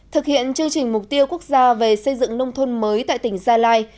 thực hiện chương trình mục tiêu quốc gia về xây dựng nông thôn mới tại tỉnh gia lai